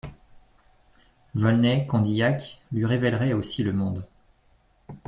Volney, Condillac, lui révéleraient aussi le monde.